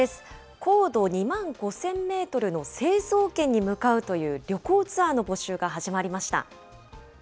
高度２万５０００メートルの成層圏に向かうという旅行ツアーの募集が始まりました。